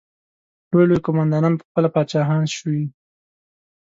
لوی لوی قوماندانان پخپله پاچاهان شوي.